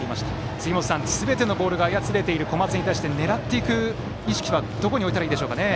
杉本さん、すべてのボールが操れている小松に対して狙っていく意識はどこに置いたらいいでしょうかね？